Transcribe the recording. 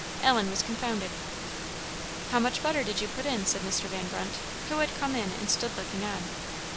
Ellen was confounded. "How much butter did you put in?" said Mr. Van Brunt, who had come in, and stood looking on.